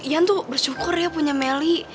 ian tuh bersyukur ya punya melly